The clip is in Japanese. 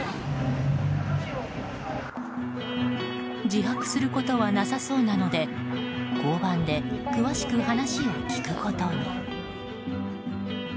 自白することはなさそうなので交番で詳しく話を聞くことに。